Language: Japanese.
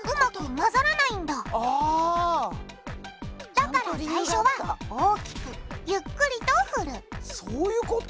だから最初は大きくゆっくりと振るそういうこと！